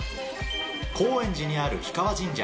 高円寺にある氷川神社。